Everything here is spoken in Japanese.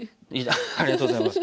ありがとうございます。